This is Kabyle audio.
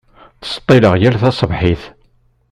Tṣeṭṭileɣ yal taṣebḥit.